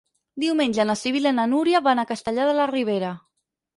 Diumenge na Sibil·la i na Núria van a Castellar de la Ribera.